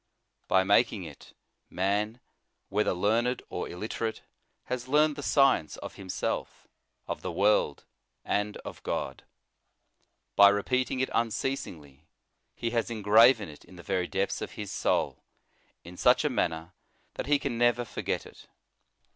By making it, man, whether learned or illiterate, has learned the science of himself, of the world, and of God. By repeating it unceasingly, he has engraven it in the very depths of his soul, in such a man ner that he can never iorget it.